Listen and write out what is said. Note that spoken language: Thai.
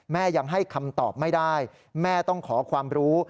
ยังให้คำตอบไม่ได้แม่ต้องขอความรู้